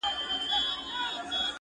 په درېيمه فضا کي د هايبريډ